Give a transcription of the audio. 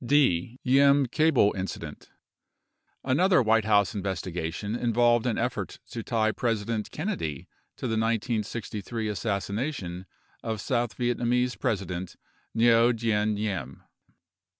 D. Diem Cable Incident Another White House investigation involved an effort to tie Presi dent Kennedy to the 1963 assassination of South Vietnamese Presi dent Ngo Dinh Diem.